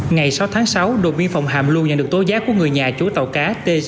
ngày sáu tháng sáu đồn biên phòng hàm luân nhận được tố giá của người nhà chúa tàu cá